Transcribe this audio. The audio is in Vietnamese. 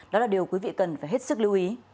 đó là điều quý vị cần phải hết sức lưu ý